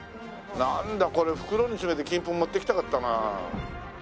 なんだこれ袋に詰めて金粉持っていきたかったな。